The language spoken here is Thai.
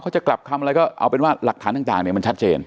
จะกลับคำอะไรก็เอาเป็นว่าหลักฐานต่างเนี่ยมันชัดเจน